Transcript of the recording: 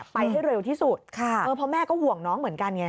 ไปให้เร็วที่สุดเพราะแม่ก็ห่วงน้องเหมือนกันไง